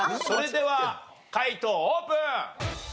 それでは解答オープン！